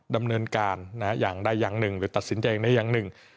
ดำเนินการอย่างใดอย่างหนึ่งหรือตัดสินใจอย่างใดอย่างหนึ่ง